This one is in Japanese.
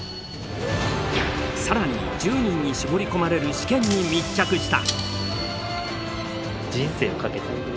更に１０人に絞り込まれる試験に密着した。